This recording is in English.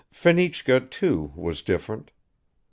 . Fenichka, too, was different.